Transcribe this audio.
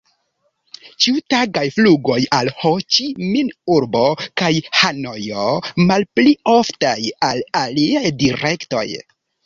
Ĉiutagaj flugoj al Ho-Ĉi-Min-urbo kaj Hanojo, malpli oftaj al aliaj direktoj.